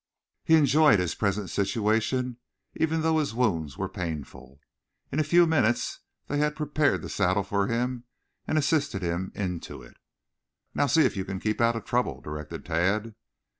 He enjoyed his present situation even though his wounds were painful. In a few minutes they had prepared the saddle for him and assisted him into it. "Now see if you can keep out of trouble," directed Tad.